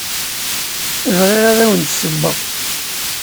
Bɣiɣ ad awen-d-ssewweɣ.